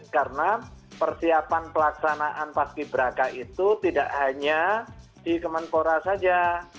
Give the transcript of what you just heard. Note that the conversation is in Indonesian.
karena persiapan pelaksanaan paski beraka itu tidak hanya di kemenpora saja